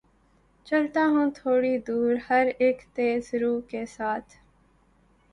چلتا ہوں تھوڑی دور‘ ہر اک تیز رو کے ساتھ